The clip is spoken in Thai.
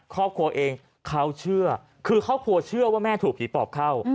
ครอบครัวเองเขาเชื่อคือครอบครัวเชื่อว่าแม่ถูกผีปอบเข้า